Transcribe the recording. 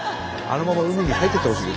あのまま海に入ってってほしい。